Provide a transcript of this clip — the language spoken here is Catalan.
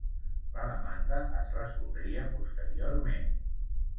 La demanda es resoldria posteriorment.